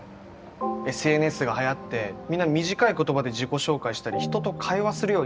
ＳＮＳが流行ってみんな短い言葉で自己紹介したり人と会話するようになったって。